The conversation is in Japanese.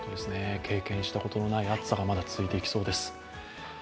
経験したことのない暑さがまだ続いていきそうです。